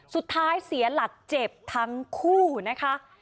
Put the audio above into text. สุดท้ายเสียหลัดเจ็บทั้งคู่นะคะ